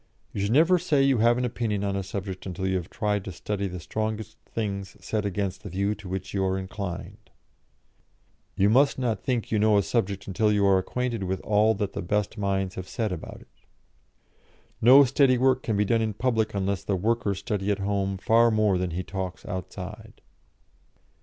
"You should never say you have an opinion on a subject until you have tried to study the strongest things said against the view to which you are inclined." "You must not think you know a subject until you are acquainted with all that the best minds have said about it." "No steady work can be done in public unless the worker study at home far more than he talks outside."